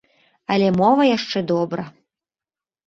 Але мова яшчэ добра.